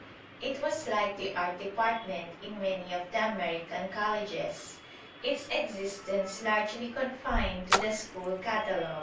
It was like the Art Department in many of the American colleges: its existence largely confined to the school catalog.